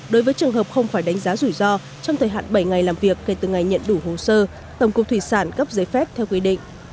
đối với trường hợp không phải đánh giá rủi ro trong thời hạn bảy ngày làm việc kể từ ngày nhận đủ hồ sơ tổng cục thủy sản cấp giấy phép theo quy định